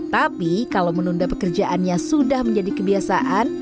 tapi kalau menunda pekerjaannya sudah menjadi kebiasaan